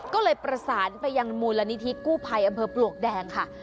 ก็เลยประสานไปยังมูลนิธิกู้ภัยอำเภอปลวกแดงค่ะ